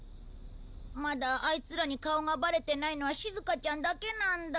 まだあいつらに顔がバレてないのはしずかちゃんだけなんだ。